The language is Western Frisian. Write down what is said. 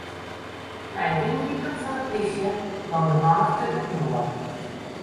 Nei it yngripen fan 'e plysje gong de mannichte útinoar.